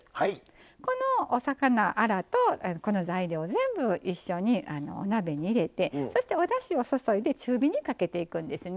このお魚アラとこの材料全部一緒に鍋に入れてそしておだしを注いで中火にかけていくんですね。